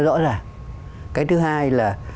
rõ ràng cái thứ hai là